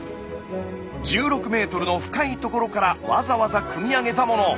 １６ｍの深い所からわざわざくみ上げたもの。